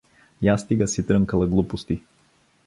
— Я стига си дрънкала глупости.